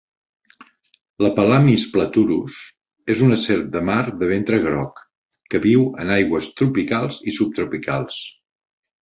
La "pelamis platurus" és una serp de mar de ventre groc que viu en aigües tropicals i subtropicals.